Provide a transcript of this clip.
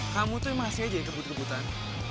kamu tuh emang aslinya jadi kebut kebutan